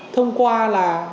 thông qua là